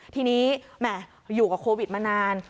ทีนี้แหม่อยู่กับโควิดมานาน